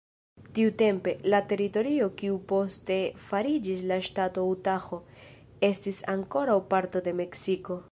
Tiutempe, la teritorio kiu poste fariĝis la ŝtato Utaho, estis ankoraŭ parto de Meksiko.